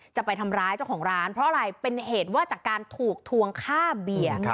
จะไปทำร้ายเจ้าของร้านเพราะอะไรเป็นเหตุว่าจากการถูกทวงค่าเบียร์